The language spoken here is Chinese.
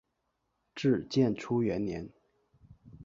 至建初元年。